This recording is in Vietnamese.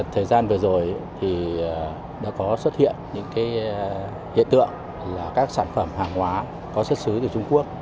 thời gian vừa rồi thì đã có xuất hiện những hiện tượng các sản phẩm hàng hóa có xuất xứ từ trung quốc